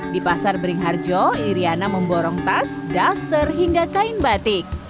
di pasar beringharjo iryana memborong tas duster hingga kain batik